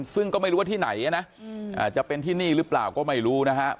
ซึ่งก็ไม่รู้ว่าที่ไหนนะอาจจะเป็นที่นี่หรือเปล่าก็ไม่รู้นะครับ